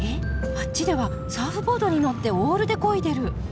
あっちではサーフボードに乗ってオールでこいでる。